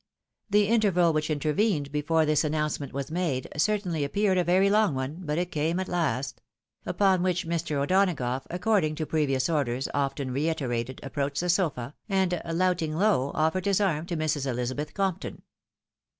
The interval which intervened before this announcement was made, certainly appeared a very long one, but it came at last ; upon which, Mr. O'Donageugh, according to previous orders, often reiterated, approached the sofa, and " louting low," offered his arm to Mrs. Elizabeth Compton.